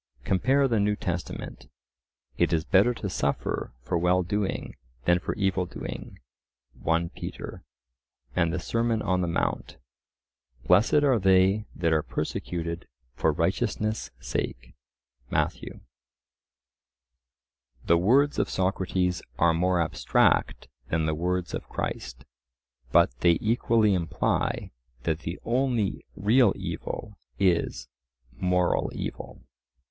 Compare the New Testament— "It is better to suffer for well doing than for evil doing."—1 Pet. And the Sermon on the Mount— "Blessed are they that are persecuted for righteousness' sake."—Matt. The words of Socrates are more abstract than the words of Christ, but they equally imply that the only real evil is moral evil.